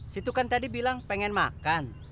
situ kan tadi bilang pengen makan